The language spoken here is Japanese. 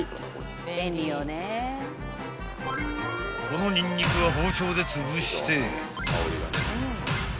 ［このニンニクは包丁でつぶして］